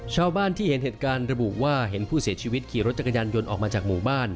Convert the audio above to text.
ชาวบ้านที่เห็นเหตุการณ์ระบุว่าเห็นผู้เสียชีวิตขี่รถจักรยานยนต์ออกมาจากหมู่บ้าน